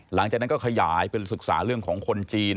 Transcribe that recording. หลังจากนั้นก็ขยายเป็นศึกษาเรื่องของคนจีน